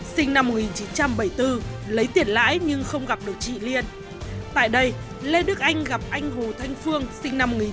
xin chào và hẹn gặp lại